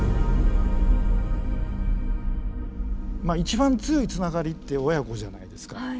まあ一番強い繋がりって親子じゃないですか。